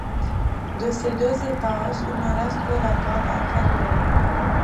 De ses deux étages il ne reste que l'arcade inférieure.